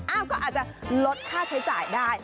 ก็อาจจะลดค่าใช้จ่ายได้